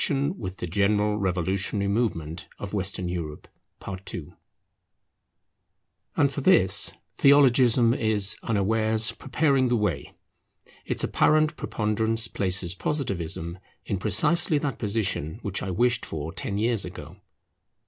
[It brings the metaphysical revolutionary schools into discredit] And for this Theologism is, unawares, preparing the way. Its apparent preponderance places Positivism in precisely that position which I wished for ten years ago.